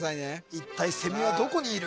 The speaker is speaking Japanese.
一体セミはどこにいる？